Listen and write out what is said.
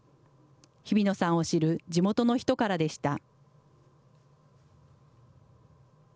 日比野さんを知る地元の人からでした。